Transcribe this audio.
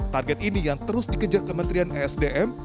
target ini yang terus dikejar kementerian esdm